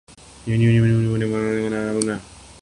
وہ پڑی ہیں روز قیامتیں کہ خیال روز جزا گیا